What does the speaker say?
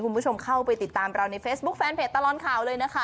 คุณผู้ชมเข้าไปติดตามเราในเฟซบุ๊คแฟนเพจตลอดข่าวเลยนะคะ